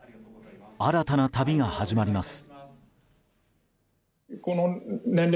新たな旅が始まります。